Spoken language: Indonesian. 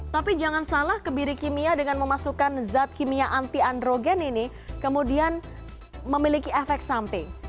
tapi jangan salah kebiri kimia dengan memasukkan zat kimia anti androgen ini kemudian memiliki efek samping